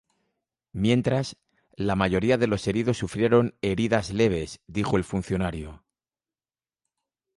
Mientras, la mayoría de los heridos sufrieron heridas leves, dijo el funcionario.